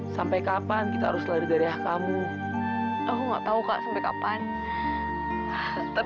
sampai jumpa di video selanjutnya